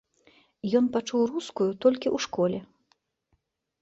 Ён пачуў рускую толькі ў школе.